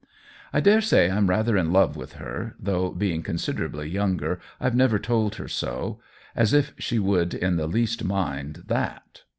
I dare say I'm rather in love with her, though, being considerably younger, IVe never told her so — as if she would in the least mind that